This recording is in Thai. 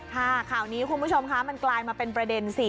ข่าวนี้คุณผู้ชมคะมันกลายมาเป็นประเด็นสิ